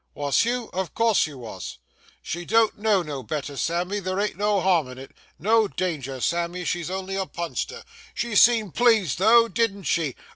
'Wos you? of course you wos.' 'She don't know no better, Sammy, there ain't no harm in it,—no danger, Sammy; she's only a punster. She seemed pleased, though, didn't she?